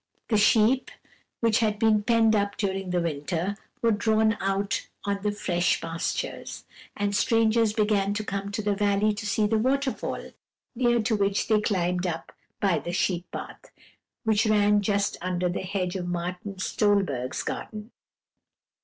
The sheep, which had been penned up during the winter, were drawn out on the fresh pastures, and strangers began to come to the valley to see the waterfall, near to which they climbed by the sheep path, which ran just under the hedge of Martin Stolberg's garden.